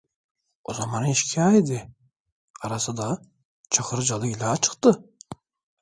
O zaman eşkıya idi, arası da Çakırcalı ile açıktı.